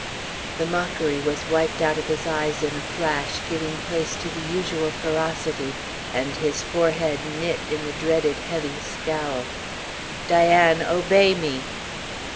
The mockery was wiped out of his eyes in a flash, giving place to the usual ferocity, and his forehead knit in the dreaded heavy scowl. "Diane, obey me!"